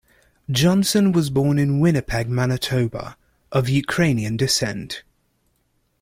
Johnson was born in Winnipeg, Manitoba, of Ukrainian descent.